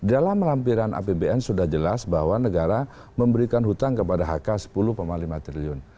dalam lampiran apbn sudah jelas bahwa negara memberikan hutang kepada hk sepuluh lima triliun